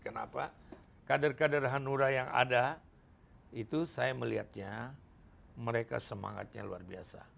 kenapa kader kader hanura yang ada itu saya melihatnya mereka semangatnya luar biasa